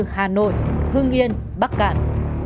hà nội hương yên bắc cạn